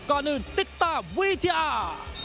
ก่อนอื่นติดตามวิทยา